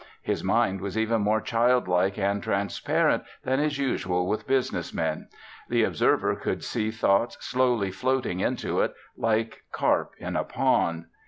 His mind was even more childlike and transparent than is usual with business men. The observer could see thoughts slowly floating into it, like carp in a pond.